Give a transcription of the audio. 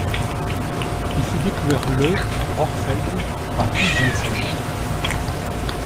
Il fut découvert le à Brorfelde par Poul Jensen.